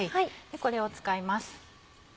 これを使います。